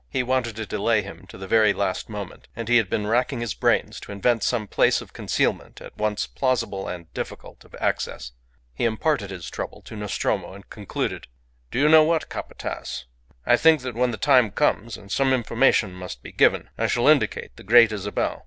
He wanted to delay him to the very last moment; and he had been racking his brains to invent some place of concealment at once plausible and difficult of access. He imparted his trouble to Nostromo, and concluded "Do you know what, Capataz? I think that when the time comes and some information must be given, I shall indicate the Great Isabel.